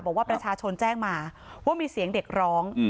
บอกว่าประชาชนแจ้งมาว่ามีเสียงเด็กร้อง